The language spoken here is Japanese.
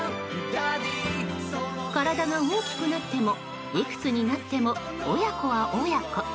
体が大きくなってもいくつになっても、親子は親子。